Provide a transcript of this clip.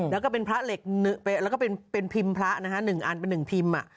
แล้วก็เป็นพระแล้วก็เป็นพิมพ์พระนะฮะ๑อันเป็นหนึ่งพิมพ์